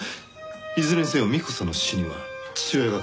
いずれにせよ幹子さんの死には父親が絡んでいる。